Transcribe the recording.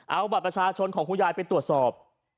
เอาบัตรประชาชนของคุณยายไปตรวจสอบ